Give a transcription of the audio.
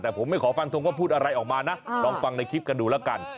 แต่ผมไม่ขอฟันทงว่าพูดอะไรออกมานะลองฟังในคลิปกันดูแล้วกัน